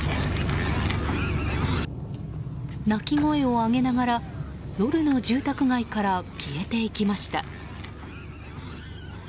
鳴き声を上げながら夜の住宅街から消えていきました。